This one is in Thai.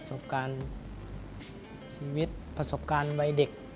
ประสบการณ์ชีวิตประสบการณ์วัยเด็ก